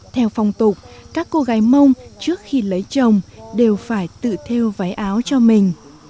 theo phong tục các cô gái mông trước khi lấy chồng đều phải tự theo váy áo cho mình